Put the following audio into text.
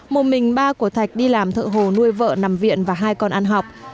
một mình ba của thạch đi làm thợ hồ nuôi vợ nằm viện và hai con ăn học